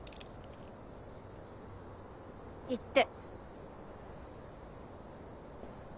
行って。